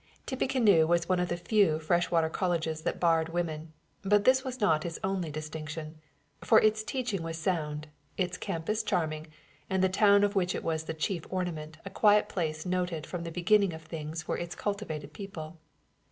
Tippecanoe was one of the few freshwater colleges that barred women; but this was not its only distinction, for its teaching was sound, its campus charming and the town of which it was the chief ornament a quiet place noted from the beginning of things for its cultivated people.